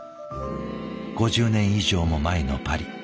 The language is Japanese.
５０年以上も前のパリ。